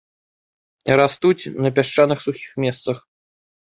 Растуць на пясчаных сухіх месцах.